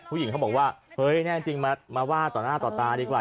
เขาบอกว่าเฮ้ยแน่จริงมาว่าต่อหน้าต่อตาดีกว่า